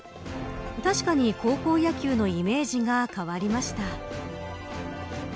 確かに高校野球のイメージが変わりました。